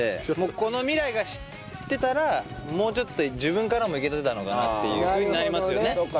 この未来が知ってたらもうちょっと自分からもいけてたのかなっていうふうになりますよね。